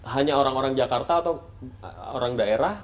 hanya orang orang jakarta atau orang daerah